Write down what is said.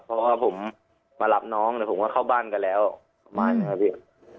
เพราะว่าผมมารับน้องแล้วผมก็เข้าบ้านกันแล้วประมาณนั้นครับพี่